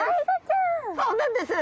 そうなんです。